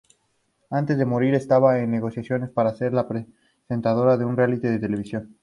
Antes de morir, estaba en negociaciones para ser la presentadora de un reality televisivo.